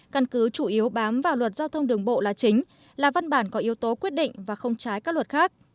căn cứ chủ yếu bám vào luật giao thông đường bộ là chính là văn bản có yếu tố quyết định và không trái các luật khác